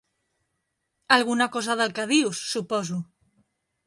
Alguna cosa del que dius, suposo.